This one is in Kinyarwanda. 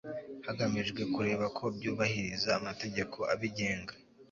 hagamijwe kureba ko byubahiriza amategeko abigenga